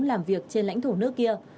làm việc trên lãnh thổ nước kia